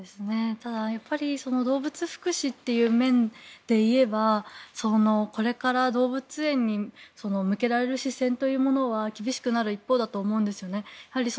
ただ、動物福祉という面で言えばこれから動物園に向けられる視線というものは厳しくなる一方だと思うんですね。